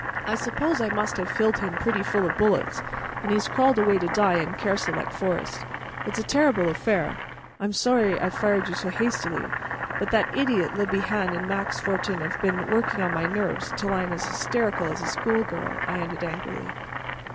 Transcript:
I suppose I must have filled him pretty full of bullets, and he has crawled away to die in Kerselec forest. It's a terrible affair; I'm sorry I fired so hastily; but that idiot Le Bihan and Max Fortin have been working on my nerves till I am as hysterical as a schoolgirl," I ended angrily.